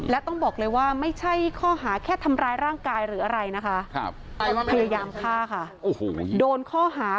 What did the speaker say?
และต้องบอกเลยว่าไม่ใช่ข้อหาแค่ทำร้ายร่างกายหรืออะไรนะคะ